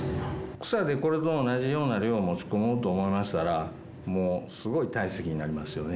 草でこれと同じような量を持ち込もうと思いましたら、もうすごい体積になりますよね。